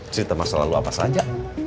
cerita masa lalu apa saja